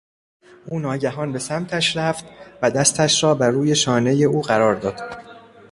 او ناگهان به سمتش رفت، و دستش را بروی شانهی او قرار داد.